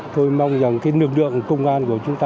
tôi mong rằng cái lượng đường công an của chúng ta